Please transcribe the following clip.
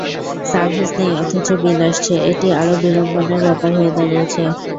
Service নেই অথচ bill আসছে, এটি আরও বিড়ম্বনার ব্যাপার হয়ে দাঁড়িয়েছে।